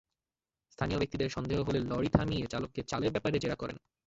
স্থানীয় ব্যক্তিদের সন্দেহ হলে লরি থামিয়ে চালককে চালের ব্যাপারে জেরা করেন।